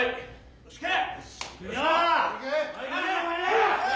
よしいけ！